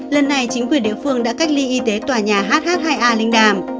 lần này chính quyền địa phương đã cách ly y tế tòa nhà hh hai a linh đàm